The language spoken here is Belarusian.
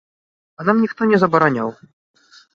А нам ніхто не забараняў.